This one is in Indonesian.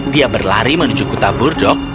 dia berlari menuju kota burdok